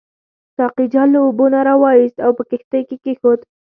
ساقي جال له اوبو نه راوایست او په کښتۍ کې کېښود.